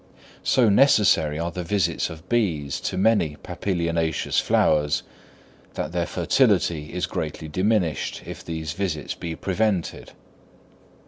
So necessary are the visits of bees to many papilionaceous flowers, that their fertility is greatly diminished if these visits be prevented.